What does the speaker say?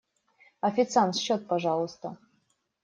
Официант! Счёт, пожалуйста.